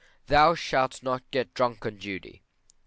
Thou shalt not get drunk on duty.